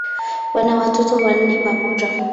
Wana watoto wanne pamoja.